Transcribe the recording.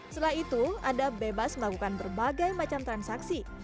setelah itu anda bebas melakukan berbagai macam transaksi